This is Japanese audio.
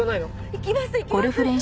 行きます行きます。